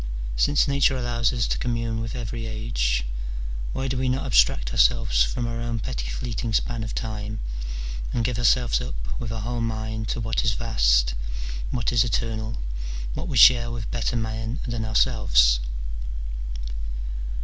Since Nature allows us to commune with every age, why do we not abstract ourselves from our own petty fleeting span of time, and give our selves up with our whole mind to what is vast, what is eternal, what we share with better men than our selves